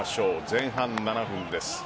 前半７分です。